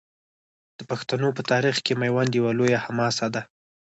د پښتنو په تاریخ کې میوند یوه لویه حماسه ده.